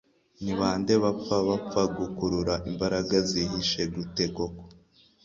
Ni bande bapfa bapfa gukurura imbaraga zihishe gute koko -